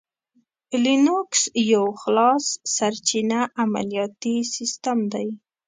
لینوکس یو خلاصسرچینه عملیاتي سیسټم دی.